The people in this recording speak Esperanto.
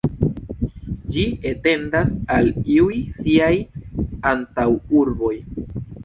Ĝi etendas al iuj siaj antaŭurboj.